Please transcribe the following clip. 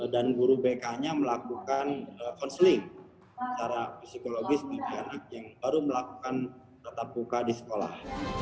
dan guru bk nya melakukan konsulis secara psikologis bagi anak yang baru melakukan tetap buka di sekolah